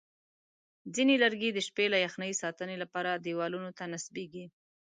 ځینې لرګي د شپې له یخنۍ ساتنې لپاره دیوالونو ته نصبېږي.